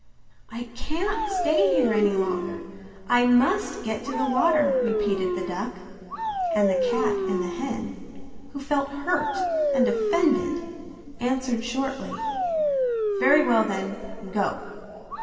'I can't stay here any longer, I Must get to the water,' repeated the duck. And the cat and the hen, who felt hurt and offended, answered shortly: 'Very well then, go.